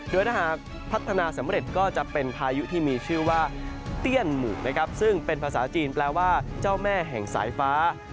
โดยถ้าหากพัฒนาสำเร็จก็จะเป็นพายุที่มีชื่อว่าเตี้ยนหมูกนะครับซึ่งเป็นภาษาจีนแปลว่าเจ้าแม่แห่งสายฟ้า